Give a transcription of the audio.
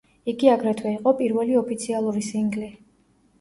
იგი აგრეთვე იყო პირველი ოფიციალური სინგლი.